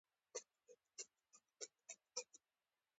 شاه عالم بیرته پر تخت کښېنول سوی دی.